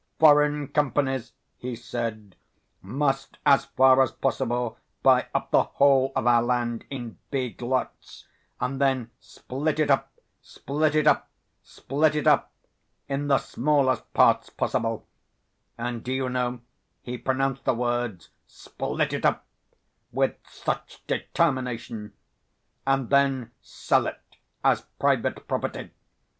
Foreign companies,' he said, 'must as far as possible buy up the whole of our land in big lots, and then split it up, split it up, split it up, in the smallest parts possible' and do you know he pronounced the words 'split it up' with such determination 'and then sell it as private property.